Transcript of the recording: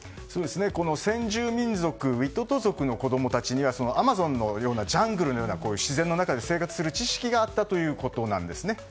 先住民族ウィトト族の子供たちにはアマゾンのジャングルのような自然の中で生活する知識があったということなんです。